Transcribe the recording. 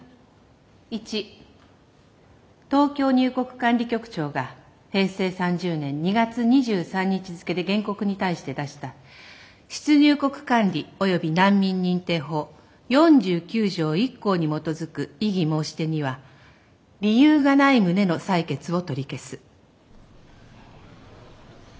一東京入国管理局長が平成３０年２月２３日付で原告に対して出した出入国管理及び難民認定法４９条１項に基づく異議申し出には理由がない旨の裁決を取り消す」。